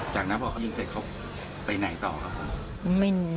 จากนั้นพอยิงเสร็จเขาไปไหนต่อ